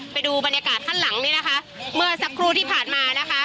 ไปดูบรรยากาศข้างหลังนี้นะคะเมื่อสักครู่ที่ผ่านมานะคะ